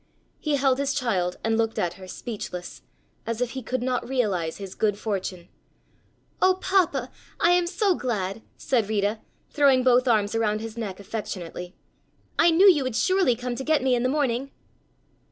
He held his child and looked at her, speechless, as if he could not realize his good fortune. "Oh, Papa, I am so glad," said Rita, throwing both arms around his neck affectionately. "I knew you would surely come to get me in the morning."